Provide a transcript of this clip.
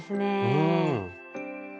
うん。